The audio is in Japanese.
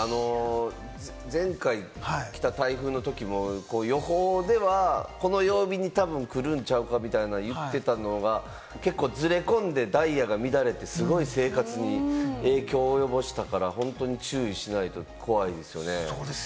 前回来た台風のときも予報ではこの曜日にたぶん来るんちゃうかみたいな言ってたのが結構ずれ込んでダイヤが乱れて、すごい生活に影響を及ぼしたから、本当に注意しないと怖いですよね。